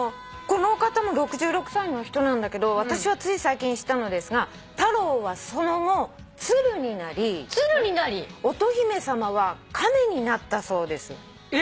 このお方も６６歳の人なんだけど「私はつい最近知ったのですが太郎はその後鶴になり乙姫さまは亀になったそうです」